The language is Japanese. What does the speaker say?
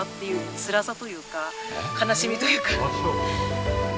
いうつらさというか悲しみというか。